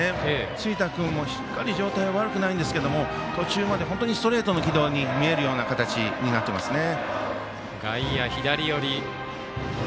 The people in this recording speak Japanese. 辻田君も、しっかり状態、悪くはないんですけど途中まで本当にストレートの軌道に見える形になってますね。